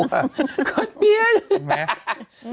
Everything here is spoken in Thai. ก่อนเบียนฮ่าเห็นไหม